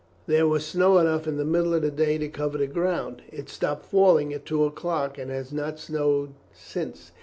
There was snow enough in the middle of the day to cover the ground; it stopped falling at two o'clock, and has not snowed since.